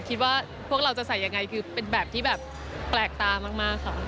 คิดว่าพวกเราจะใส่ยังไงคือเป็นแบบที่แบบแปลกตามากค่ะ